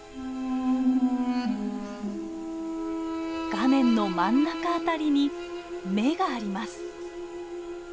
画面の真ん中辺りに目があります。